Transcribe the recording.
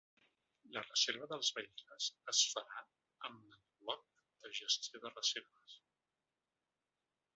La reserva dels vehicles es farà amb el bloc de gestió de reserves.